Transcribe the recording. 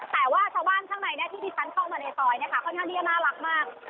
แต่ว่าชาวบ้านข้างในเนี่ยที่ที่ฉันเข้ามาในซอยเนี่ยค่อนข้างนี้น่ารักมาก